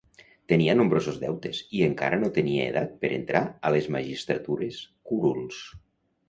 Tenia nombrosos deutes i encara no tenia edat per entrar a les magistratures curuls.